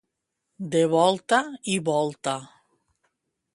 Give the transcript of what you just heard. De volta i volta.